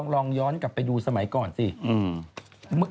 มันก็ไปก็แบบ